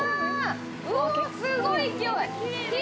おぉ、すごい勢い。